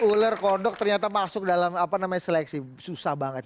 tikus uler kodok ternyata masuk dalam seleksi susah banget